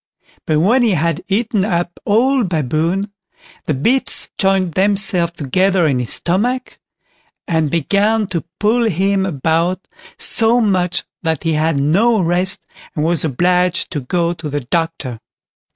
But when he had eaten up all Baboon, the bits joined themselves together in his stomach, and began to pull him about so much that he had no rest, and was obliged to go to a doctor.